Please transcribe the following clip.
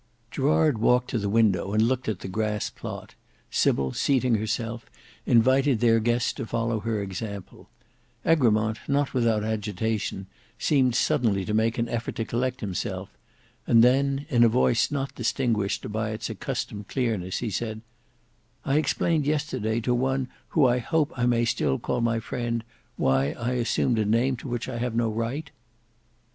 Gerard walked to the window and looked at the grass plot; Sybil seating herself, invited their guest to follow her example; Egremont, not without agitation, seemed suddenly to make an effort to collect himself, and then, in a voice not distinguished by its accustomed clearness, he said, "I explained yesterday to one who I hope I may still call my friend, why I assumed a name to which I have no right."